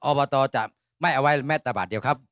อบตจะไม่เอาไว้แม้แต่บาทเดียวครับ